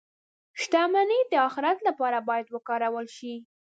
• شتمني د آخرت لپاره باید وکارول شي.